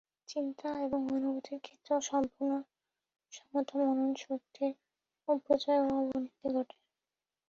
চিন্তা এবং অনুভূতির ক্ষেত্রেও সম্পূর্ণ সমতা মননশক্তির অপচয় ও অবনতি ঘটায়।